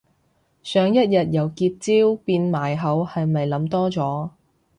想一日由結焦變埋口係咪諗多咗